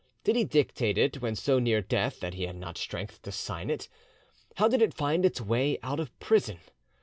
Did he dictate it when so near death that he had not strength to sign it? How did it find its way out of prison?